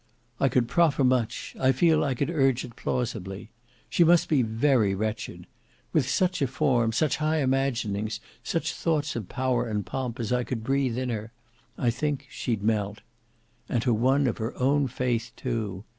"I could proffer much: I feel I could urge it plausibly. She must be very wretched. With such a form, such high imaginings, such thoughts of power and pomp as I could breathe in her,—I think she'd melt. And to one of her own faith, too!